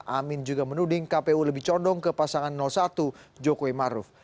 amin juga menuding kpu lebih condong ke pasangan satu jokowi maruf